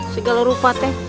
segala rupa teh